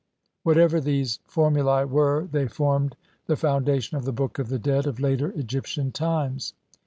Whatever these for mulae were they formed the foundation of the Book of the Dead of later Egyptian times.